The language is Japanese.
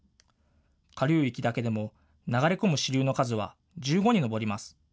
下流域だけでも流れ込む支流の数は１５に上ります。